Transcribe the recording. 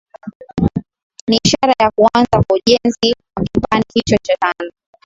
Ni ishara ya kuanza kwa ujenzi wa kipande hicho cha tano